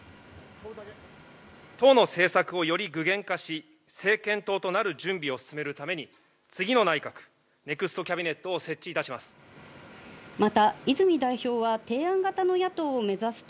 党の政策をより具現化し、政権党となる準備を進めるために、次の内閣、ネクストキャビネットを設置いたします。